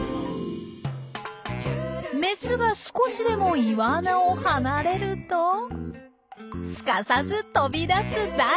メスが少しでも岩穴を離れるとすかさず飛び出すダイ。